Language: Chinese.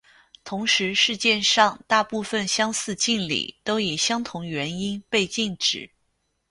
同时世界上大部份相似敬礼都以相同原因被禁止。